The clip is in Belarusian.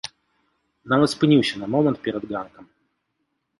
Нават спыніўся на момант перад ганкам.